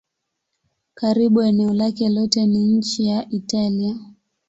Karibu eneo lake lote ni nchi ya Italia.